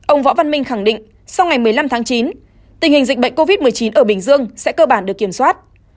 ông võ văn minh khẳng định sau ngày một mươi năm tháng chín tình hình dịch bệnh covid một mươi chín ở bình dương sẽ cơ bản được kiểm soát